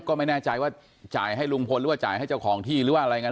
ก็ไม่แน่ใจว่าจ่ายให้ลุงพลหรือว่าจ่ายให้เจ้าของที่หรือว่าอะไรกัน